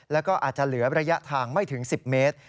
แล้วก็อาจจะเหลือระยะทางไม่ถึง๑๐เมตร